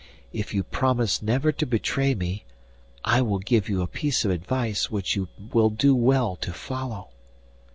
If you promise never to betray me I will give you a piece of advice which you will do well to follow.